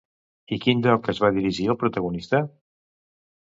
I quin lloc es va dirigir el protagonista?